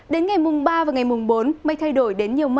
đến ngày mùng ba và ngày mùng bốn mây thay đổi